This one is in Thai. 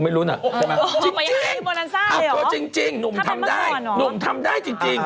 คุณไม่รู้น่ะจริงอ่ะเพราะจริงหนุ่มทำได้หนุ่มทำได้จริง